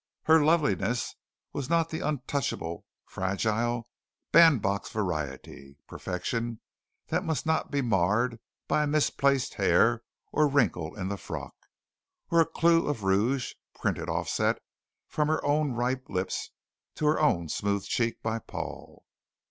Her loveliness was not of the untouchable, fragile, bandbox variety; perfection that must not be marred by a misplaced hair or a wrinkle in the frock or a clue of rouge, printed offset from her own ripe lips to her own smooth cheek by Paul.